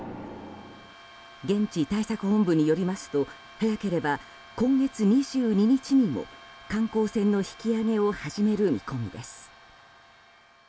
現地対策本部によりますと早ければ今月２２日にも観光船の引き揚げを始める見込みです。